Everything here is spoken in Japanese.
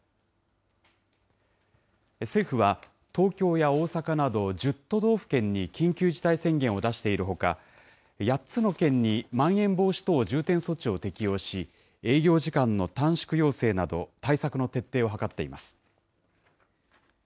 政府は、東京や大阪など１０都道府県に緊急事態宣言を出しているほか、８つの県にまん延防止等重点措置を適用し、営業時間の短縮要請など、対策の徹底を図っています。